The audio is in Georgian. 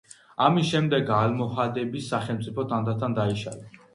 ამის შემდეგ ალმოჰადების სახელმწიფო თანდათან დაიშალა.